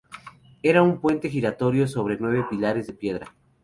Era un puente giratorio sobre nueve pilares de piedra.